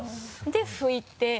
でふいて。